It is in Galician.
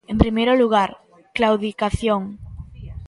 En primeiro lugar, claudicación.